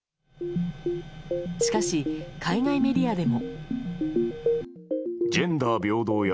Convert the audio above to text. しかし、海外メディアでも。